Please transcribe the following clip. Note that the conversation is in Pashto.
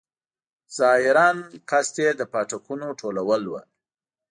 ظاهراً قصد یې د پاټکونو ټولول وو.